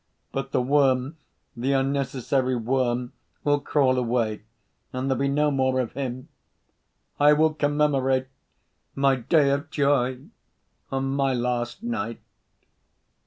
But the worm, the unnecessary worm, will crawl away, and there'll be no more of him. I will commemorate my day of joy on my last night."